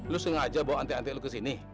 lu sengaja bawa ante ante lu kesini